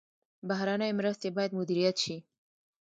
بهرنۍ مرستې باید مدیریت شي